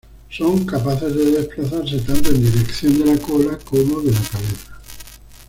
Son capaces de desplazarse tanto en dirección de la cola como de la cabeza.